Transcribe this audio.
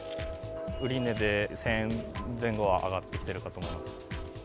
売値で１０００円前後は上がってきているかと思います。